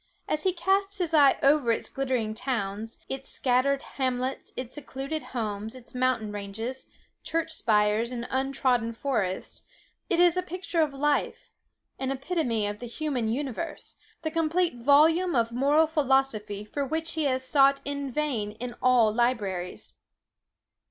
As he casts his eye over its glittering towns, its scattered hamlets, its secluded homes, its mountain ranges, church spires, and untrodden forests, it is a picture of life; an epitome of the human universe; the complete volume of moral philosophy for which he has sought in vain in all libraries.